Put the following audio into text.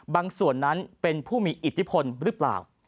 ส่วนนั้นเป็นผู้มีอิทธิพลหรือเปล่า